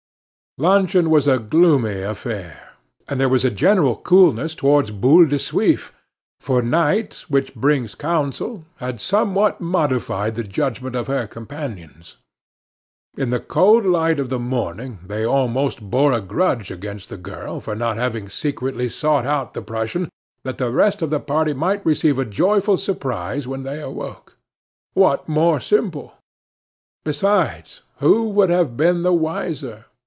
Luncheon was a gloomy affair; and there was a general coolness toward Boule de Suif, for night, which brings counsel, had somewhat modified the judgment of her companions. In the cold light of the morning they almost bore a grudge against the girl for not having secretly sought out the Prussian, that the rest of the party might receive a joyful surprise when they awoke. What more simple? Besides, who would have been the wiser?